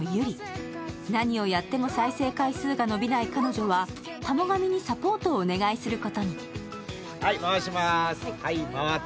何をやっても再生回数が伸びない彼女は、田母神にサポートをお願いすることに。